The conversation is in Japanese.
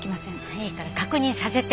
いいから確認させて。